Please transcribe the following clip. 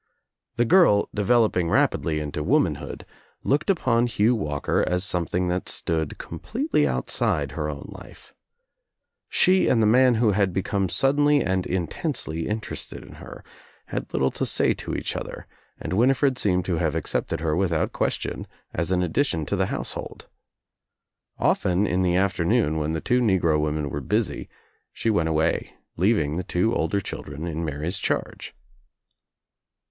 The girl, developing rapidly into womanhood, looked upon Hugh Walker as something that stood completely outside her own life. She and the man who had become suddenly and intensely interested in her had little to say to each other and Winifred seemed to have accepted her without question as an addition to the household. Often in the afternoon when the two negro women were busy she went away leaving the two older children in Mary's charge.